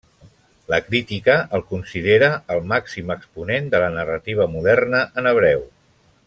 La crítica el considera el màxim exponent de la narrativa moderna en hebreu.